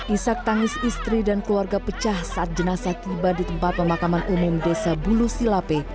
isak tangis istri dan keluarga pecah saat jenazah tiba di tempat pemakaman umum desa bulu silape